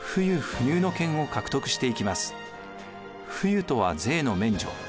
不輸とは税の免除。